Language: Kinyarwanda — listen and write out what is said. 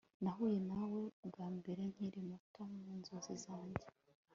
nahuye nawe bwa mbere nkiri muto, mu nzozi zanjye